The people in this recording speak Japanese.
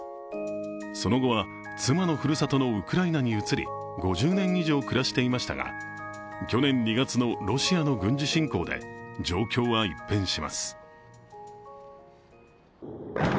その後は妻のふるさとのウクライナに移り、５０年以上暮らしていましたが去年２月のロシアの軍事侵攻で状況は一変します。